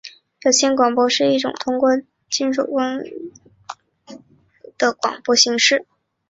有线广播是一种通过金属导线或光纤将广播节目直接传送给用户接收设备的广播形式。